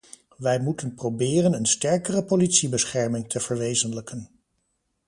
Wij moeten proberen een sterkere politiebescherming te verwezenlijken.